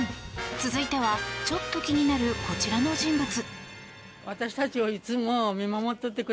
続いてはちょっと気になるこちらの人物。